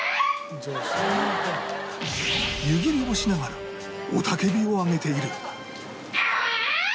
湯切りをしながらおたけびをあげている